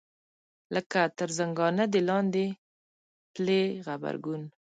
لکه تر زنګانه د لاندې پلې غبرګون.